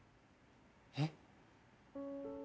えっ？